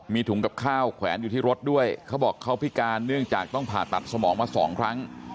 มีถุงกับข้าวแขวนอยู่ที่รถด้วยเขาบอกเขาพิการเนื่องจากต้องผ่าตัดสมองมาสองครั้ง